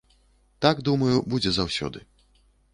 Так, думаю, будзе заўсёды.